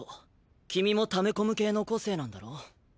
君も溜め込む系の個性なんだろ？